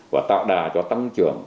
và tạo đà cho tăng trưởng